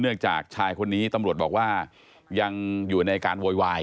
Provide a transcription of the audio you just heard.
จากชายคนนี้ตำรวจบอกว่ายังอยู่ในการโวยวาย